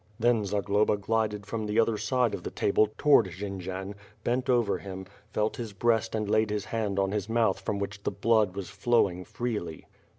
Then Zagloba glided from the other side of the table to ward Jendzian; bent over him, felt his breast and laid his hand on his mouth from which the blood was flowing freely.